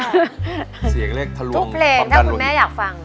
เสียงเลขทะลวงคำทันหลุดอเรนนี่ทุกเพลงถ้าคุณแม่อยากฟัง